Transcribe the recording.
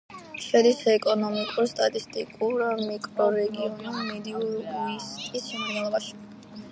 შედის ეკონომიკურ-სტატისტიკურ მიკრორეგიონ მედიუ-უესტის შემადგენლობაში.